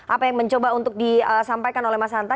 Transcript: apa yang mencoba untuk disampaikan oleh mas hanta